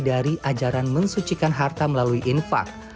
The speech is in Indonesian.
dari ajaran mensucikan harta melalui infak